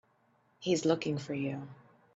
He's looking for you.